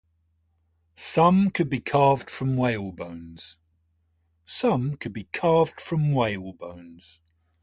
Some could be carved from whale bones.